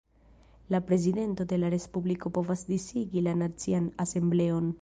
La Prezidento de la Respubliko povas disigi la Nacian Asembleon.